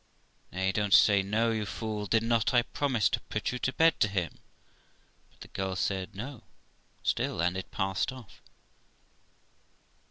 'Nay, don't say no, you fool; did not I pro mise to put you to bed to him?' But the girl said 'No' still, and it passed off.